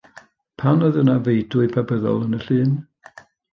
Pam oedd yna feudwy Pabyddol yn y llun?